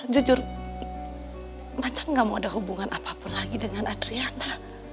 jujur macam gak mau ada hubungan apapun lagi dengan adriana